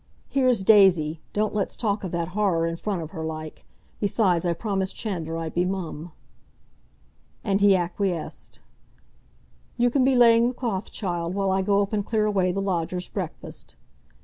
"Here's Daisy! Don't let's talk of that horror in front of her like. Besides, I promised Chandler I'd be mum." And he acquiesced. "You can be laying the cloth, child, while I go up and clear away the lodger's breakfast."